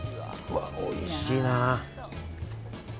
わ、おいしいな。